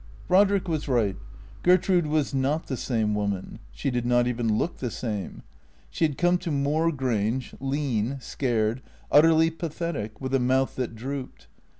Brodrick was right. Gertrude was not the same woman. She did not even look the same. She had come to Moor Grange lean, scared, utterly pathetic, with a mouth that drooped.